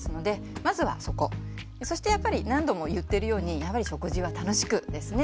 そしてやっぱり何度も言ってるように「食事は楽しく！」ですね。